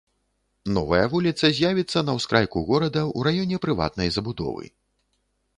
Новая вуліца з'явіцца на ўскрайку горада ў раёне прыватнай забудовы.